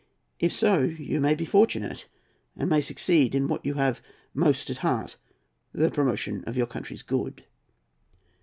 If so, you may be fortunate and may succeed in what you have most at heart, the promotion of your country's good."